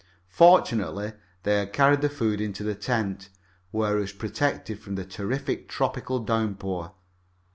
Fortunately, they had carried the food into the tent, where it was protected from the terrific tropical downpour.